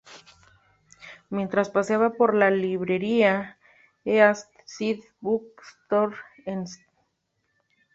Mientras paseaba por la librería East Side Book Store en St.